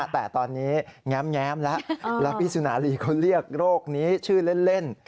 แต่ตอนนี้แง้มแล้วแล้วพี่สุนารีเขาเรียกโรคนี้ชื่อเล่น